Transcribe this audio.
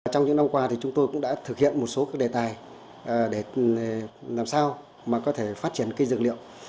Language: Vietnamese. trong những năm qua thì chúng tôi cũng đã thực hiện một số đề tài để làm sao mà có thể phát triển cây dược liệu